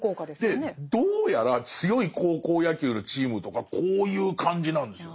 でどうやら強い高校野球のチームとかこういう感じなんですよ。